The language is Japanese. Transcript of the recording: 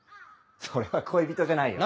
それは恋人じゃないよ。